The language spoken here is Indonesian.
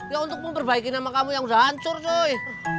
ya untuk memperbaiki nama kamu yang udah hancur deh